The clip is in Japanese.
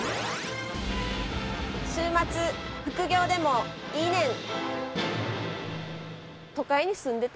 週末、副業でもいいねん。